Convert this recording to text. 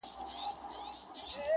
اوبو اخيستی ځگ ته لاس اچوي.